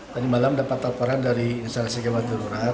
tadi malam dapat laporan dari instalasi kewadilurahat